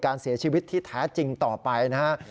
การเสียชีวิตที่แท้จริงต่อไปนะฮะ